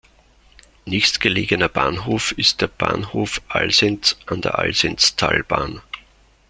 Nächstgelegener Bahnhof ist der Bahnhof Alsenz an der Alsenztalbahn.